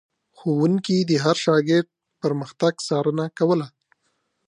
ښوونکي د هر شاګرد پرمختګ څارنه کوله.